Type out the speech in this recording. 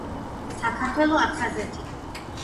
საქართველო აფხაზეთია